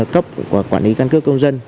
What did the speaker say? cấp của quản lý căn cứ công dân